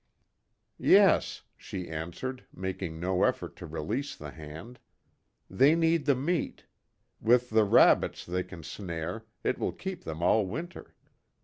"Yes," she answered, making no effort to release the hand, "They need the meat. With the rabbits they can snare, it will keep them all winter.